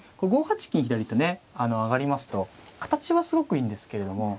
５八金左とね上がりますと形はすごくいいんですけれども。